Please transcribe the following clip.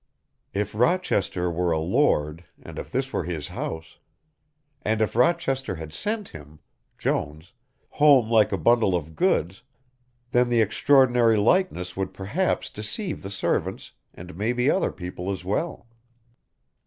If Rochester were a Lord and if this were his house, and if Rochester had sent him Jones home like a bundle of goods, then the extraordinary likeness would perhaps deceive the servants and maybe other people as well.